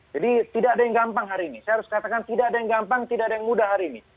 jadi tidak ada yang gampang hari ini saya harus katakan tidak ada yang gampang tidak ada yang mudah hari ini